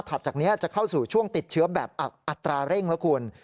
จากนี้จะเข้าสู่ช่วงติดเชื้อแบบอัตราเร่งแล้วคุณ